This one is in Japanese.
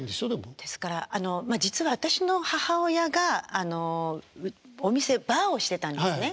ですから実は私の母親があのお店バーをしてたんですね。